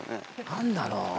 何だろう？